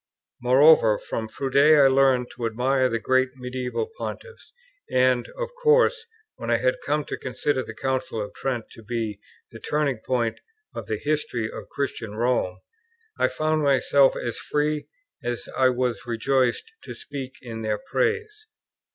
Moreover, from Froude I learned to admire the great medieval Pontiffs; and, of course, when I had come to consider the Council of Trent to be the turning point of the history of Christian Rome, I found myself as free, as I was rejoiced, to speak in their praise.